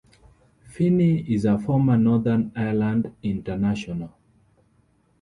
Feeney is a former Northern Ireland international.